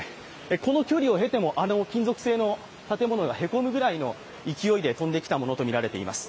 この距離を経てもあの金属製の建物がへこむぐらいの勢いで飛んできたものとみられます。